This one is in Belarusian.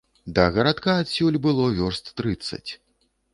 Да гарадка адсюль было вёрст трыццаць.